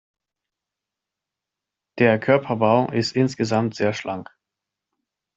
Der Körperbau ist insgesamt sehr schlank.